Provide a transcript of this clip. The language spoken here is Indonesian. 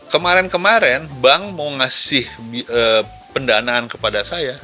kemarin kemarin bank mau ngasih pendanaan kepada saya